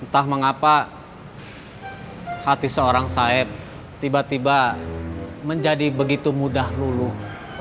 entah mengapa hati seorang saib tiba tiba menjadi begitu mudah luluh